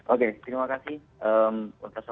oke terima kasih